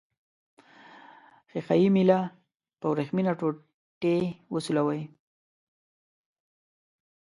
ښيښه یي میله په وریښمینه ټوټې وسولوئ.